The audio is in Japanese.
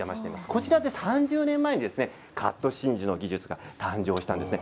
こちらで３０年前にカット真珠の技術が誕生したんです。